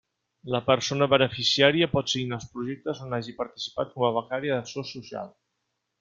La persona beneficiària pot signar els projectes on hagi participat com a becària d'acció social.